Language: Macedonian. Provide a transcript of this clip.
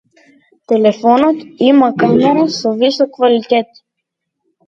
Телефонот има камера со висок квалитет.